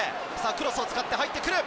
クロスを使って入って来る。